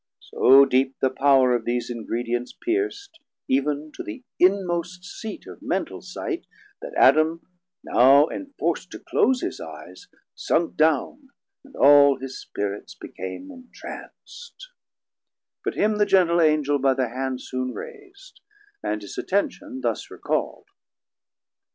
So deep the power of these Ingredients pierc'd, Eevn to the inmost seat of mental sight, That Adam now enforc't to close his eyes, Sunk down and all his Spirits became intranst: 420 But him the gentle Angel by the hand Soon rais'd, and his attention thus recall'd.